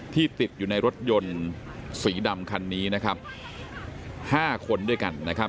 ติดอยู่ในรถยนต์สีดำคันนี้นะครับห้าคนด้วยกันนะครับ